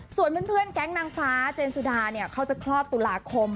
ส่วนเพื่อนแก๊งนางฟ้าเจนสุดาเนี่ยเขาจะคลอดตุลาคม